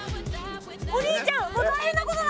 お兄ちゃんもう大変なことなってる。